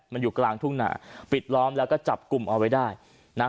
มันอยู่กลางทุ่งหนาปิดล้อมแล้วก็จับกลุ่มเอาไว้ได้นะฮะ